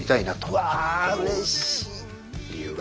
わうれしい！